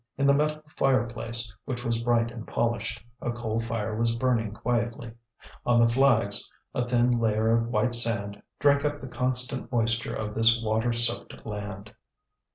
In the metal fireplace, which was bright and polished, a coal fire was burning quietly. On the flags a thin layer of white sand drank up the constant moisture of this water soaked land.